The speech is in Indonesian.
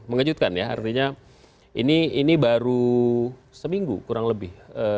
mengejutkan ya artinya ini baru seminggu kurang lebih